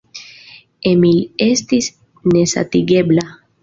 Emil estis nesatigebla.